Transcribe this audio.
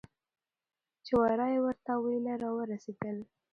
چې ورا یې ورته ویله راورسېدل.